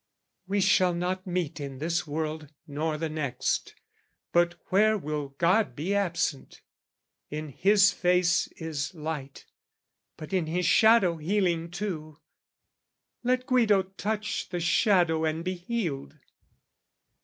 We shall not meet in this world nor the next, But where will God be absent? In His face Is light, but in His shadow healing too: Let Guido touch the shadow and be healed!